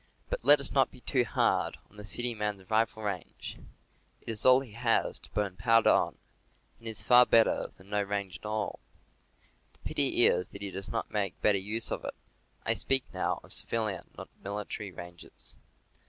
But let us not be too hard on the city man's rifle range. It is all he has, to burn powder on, and it is far better than no range at all. The pity is that he does not make better use of it. (I speak now of civilian, not military, ranges.)